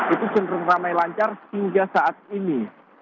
itu sempat ramai lancar sehingga saat ini